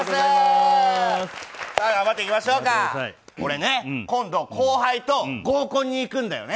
頑張っていきましょうか俺ね、今度後輩と合コンに行くんだよね。